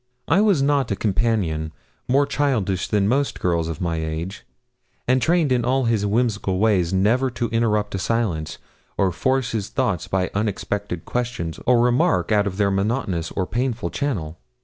I was not a companion more childish than most girls of my age, and trained in all his whimsical ways, never to interrupt a silence, or force his thoughts by unexpected question or remark out of their monotonous or painful channel.